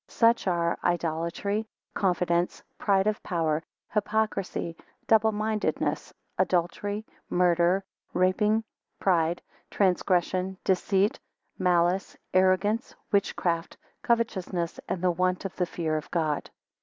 2 Such are; idolatry, confidence, pride of power, hypocrisy, double mindedness, adultery, murder, rapine, pride, transgression, deceit, malice, arrogance, witchcraft, covetousness, and the want of the fear of God.